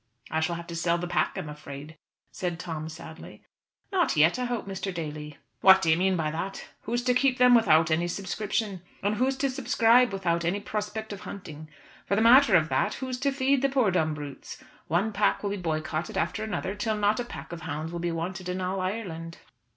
I shall have to sell the pack, I'm afraid," said Tom, sadly. "Not yet, I hope, Mr. Daly." "What do you mean by that? Who's to keep them without any subscription? And who's to subscribe without any prospect of hunting? For the matter of that who's to feed the poor dumb brutes? One pack will be boycotted after another till not a pack of hounds will be wanted in all Ireland."